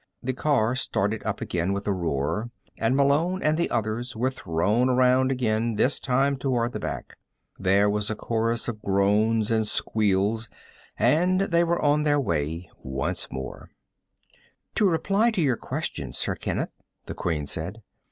The car started up again with a roar and Malone and the others were thrown around again, this time toward the back. There was a chorus of groans and squeals, and they were on their way once more. "To reply to your question, Sir Kenneth," the Queen said.